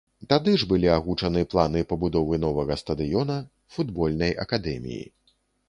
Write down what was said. Тады ж былі агучаны планы пабудовы новага стадыёна, футбольнай акадэміі.